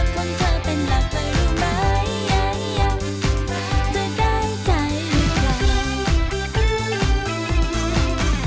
ด้วยใกล้ใจดีกว่า